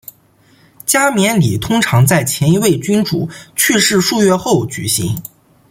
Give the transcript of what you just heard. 加冕礼通常在前一位君主去世数月后举行。